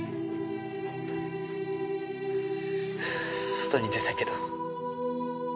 外に出たけど。